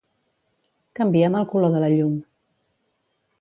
Canvia'm el color de la llum.